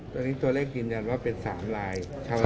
ตอนนี้ตัวเลขยืนยันว่าเป็น๓ลาย